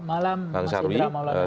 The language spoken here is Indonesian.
malam mas indra maulana